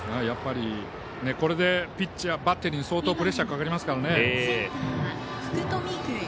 やっぱりこれでピッチャーバッテリーに相当プレッシャーかかりますからね。